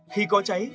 khi có cháy